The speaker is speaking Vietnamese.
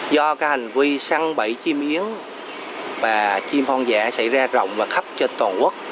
do hành vi săn bẫy chim yến và chim hoang dã xảy ra rộng và khắp trên toàn quốc